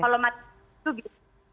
kalau masih gitu